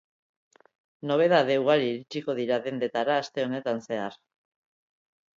Nobedade ugari iritsiko dira dendetara aste honetan zehar.